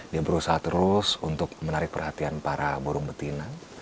dia berusaha terus untuk menarik perhatian para burung betina